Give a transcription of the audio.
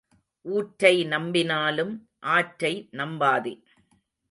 ஊற்றை நம்பினாலும் ஆற்றை நம்பாதே.